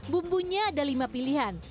bumbunya ada lima pilihan